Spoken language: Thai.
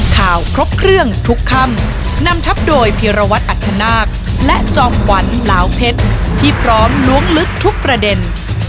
ครบเครื่องทุกคำนำทับโดยพิรวัตรอัธนาคและจอมขวัญลาวเพชรที่พร้อมล้วงลึกทุกประเด็น